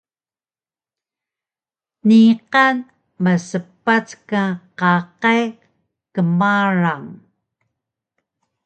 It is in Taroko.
Niqan maspac ka qaqay kmarang